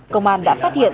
công an đã phát hiện